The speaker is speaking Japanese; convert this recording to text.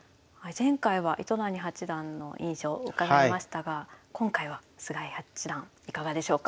前回は糸谷八段の印象を伺いましたが今回は菅井八段いかがでしょうか？